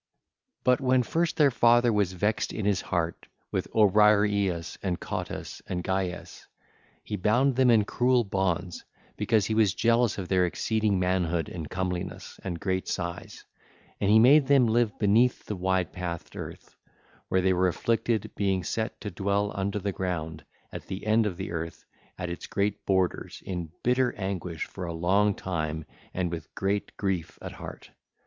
(ll. 617 643) But when first their father was vexed in his heart with Obriareus and Cottus and Gyes, he bound them in cruel bonds, because he was jealous of their exceeding manhood and comeliness and great size: and he made them live beneath the wide pathed earth, where they were afflicted, being set to dwell under the ground, at the end of the earth, at its great borders, in bitter anguish for a long time and with great grief at heart.